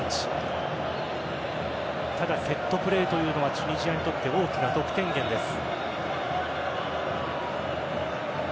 ただ、セットプレーというのはチュニジアにとって大きな得点源です。